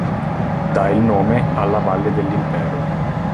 Dà il nome alla "Valle dell'Impero".